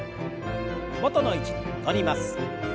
元の位置に戻ります。